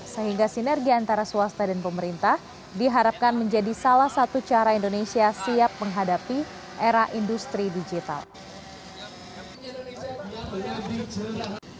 sehingga sinergi antara swasta dan pemerintah diharapkan menjadi salah satu cara indonesia siap menghadapi era industri digital